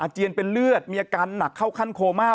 เจียนเป็นเลือดมีอาการหนักเข้าขั้นโคม่า